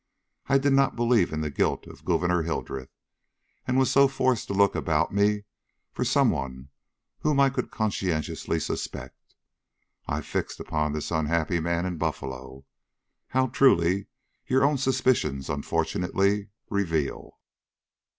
I did not believe in the guilt of Gouverneur Hildreth, and so was forced to look about me for some one whom I could conscientiously suspect. I fixed upon this unhappy man in Buffalo; how truly, your own suspicions, unfortunately, reveal."